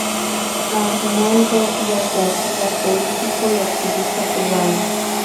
Arnaldo Díaz García, político y activista cubano.